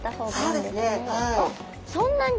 あっそんなに？